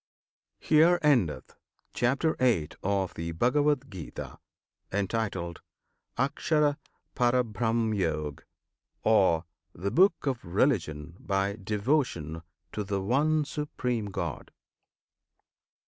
HERE ENDETH CHAPTER VIII. OF THE BHAGAVAD GITA, Entitled "Aksharaparabrahmayog," Or "The book of Religion by Devotion to the One Supreme God."